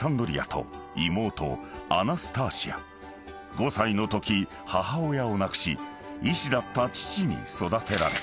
［５歳のとき母親を亡くし医師だった父に育てられた］